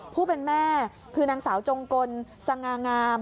ผู้เป็นแม่คือนางสาวจงกลสง่างาม